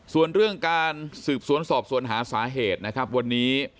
ส่วนเรื่องการสืบสวนสอบสวนหาสาเหตุนะครับวันนี้